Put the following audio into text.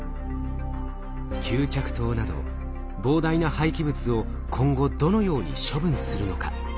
吸着塔など膨大な廃棄物を今後どのように処分するのか？